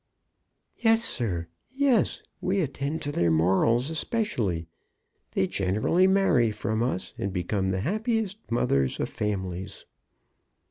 "Yes, sir, yes; we attend to their morals especially. They generally marry from us, and become the happy mothers of families."